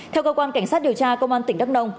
theo cơ quan cảnh sát điều tra công an tỉnh đắk nông